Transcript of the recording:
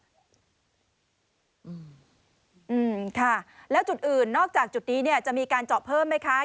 อืมค่ะแล้วจุดอื่นนอกจากจุดนี้เนี่ยจะมีการเจาะเพิ่มไหมคะ